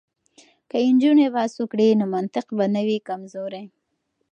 که نجونې بحث وکړي نو منطق به نه وي کمزوری.